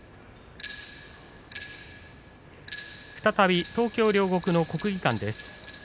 再び東京・両国の国技館です。